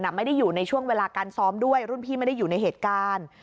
ไม่ได้อยู่ในช่วงเวลาการซ้อมด้วยรุ่นพี่ไม่ได้อยู่ในเหตุการณ์